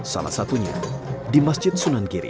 salah satunya di masjid sunan giri